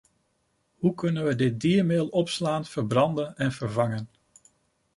Hoe kunnen we dit diermeel opslaan, verbranden en vervangen?